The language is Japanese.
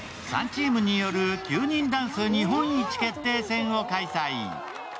３チームによる９人ダンス日本一決定戦を開催。